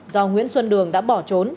do nguyễn xuân đường đã bỏ trốn